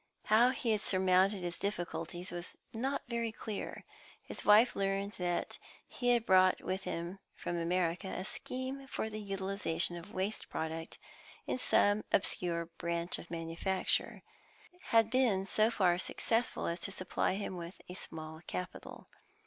How he had surmounted his difficulties was not very clear; his wife learned that he had brought with him from America a scheme for the utilisation of waste product in some obscure branch of manufacture, which had been so far successful as to supply him with a small capital.